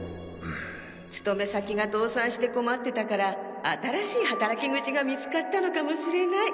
勤め先が倒産して困ってたから新しい働き口が見つかったのかもしれない。